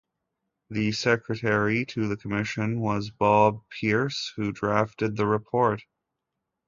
The Secretary to the Commission was Bob Peirce, who drafted the report.